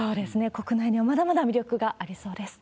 国内にはまだまだ魅力がありそうです。